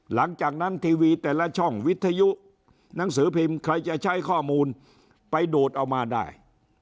นาทีวีแต่ละช่องวิทยุหนังสือพิมพ์ใครจะใช้ข้อมูลไปดูดเอามาได้